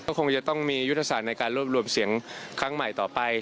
คงจะต้องมียุทธศาสตร์ในการรวบรวมเสียงครั้งใหม่ต่อไป